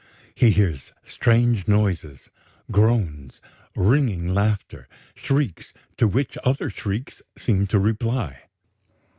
He hears strange noises, groans, ringing laughter, shrieks, to which other shrieks seem to reply.